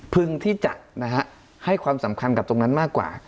พึงที่จะให้ความสำคัญกับตรงนั้นมากกว่า